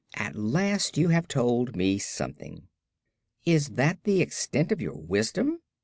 "At last you have told me something." "Is that the extent of your wisdom?"